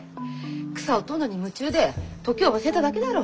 草を採んのに夢中で時を忘れただけだろう？